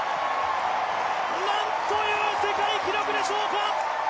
なんという世界記録でしょうか。